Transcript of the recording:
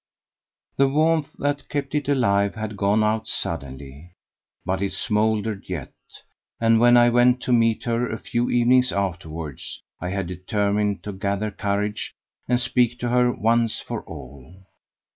The warmth that kept it alive had gone out suddenly. But it smouldered yet, and when I went to meet her a few evenings afterwards I had determined to gather courage and speak to her once for all.